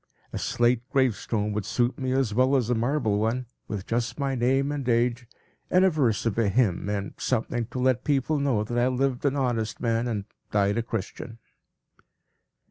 A slate gravestone would suit me as well as a marble one, with just my name and age, and a verse of a hymn, and something to let people know that I lived an honest man and died a Christian."